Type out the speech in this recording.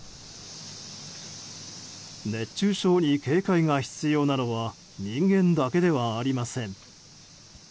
熱中症に警戒が必要なのは人間だけではありません。